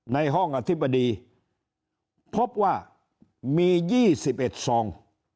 ในห้องอธิบดีพบว่ามี๒๑ซอง